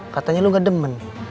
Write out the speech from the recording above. katanya lu gak demen